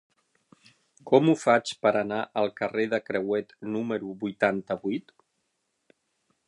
Com ho faig per anar al carrer de Crehuet número vuitanta-vuit?